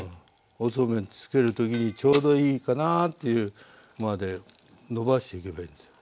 おそうめんつける時にちょうどいいかなっていうまでのばしていけばいいんですよ。